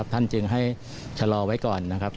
ท่านจึงให้ชะลอไว้ก่อน